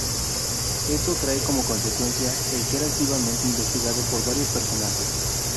Esto trae como consecuencia el ser activamente investigado por varios personajes.